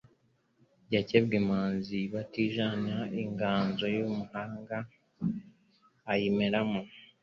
Yakebwe imanzi batijanaInganzo y' umuhanga iyimeramo